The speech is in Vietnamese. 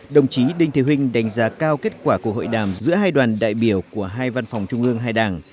đồng chí đinh thị huynh đánh giá cao kết quả của hội đàm giữa hai đoàn đại biểu của hai văn phòng trung ương hai đảng